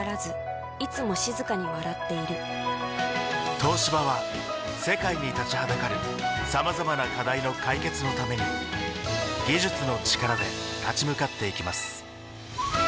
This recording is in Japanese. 東芝は世界に立ちはだかるさまざまな課題の解決のために技術の力で立ち向かっていきます